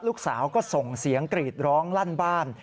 ลูกสาวก็ส่งเสียงกรีดร้องลั่นบ้าน